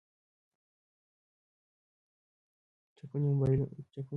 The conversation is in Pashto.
چیني موبایلونه اوس باکیفیته شوي دي.